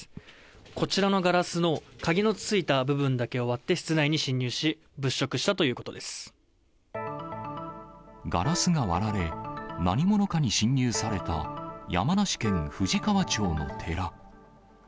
こちらのガラスの鍵のついた部分だけを割って室内に侵入し、ガラスが割られ、何者かに侵入された山梨県富士川町の寺。